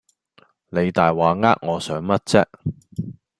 你大話呃我想乜啫